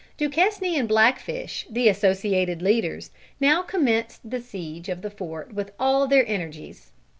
Duquesne and Blackfish, the associated leaders, now commenced the siege of the fort with all their energies.